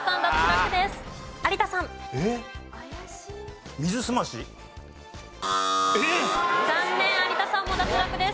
有田さんも脱落です。